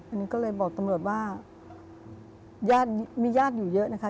อันนี้ก็เลยบอกตำรวจว่าญาติมีญาติอยู่เยอะนะคะ